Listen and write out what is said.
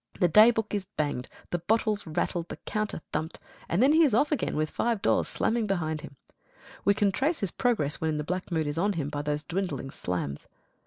The daybook is banged, the bottles rattled, the counter thumped, and then he is off again with five doors slamming behind him. We can trace his progress when the black mood is on him by those dwindling slams.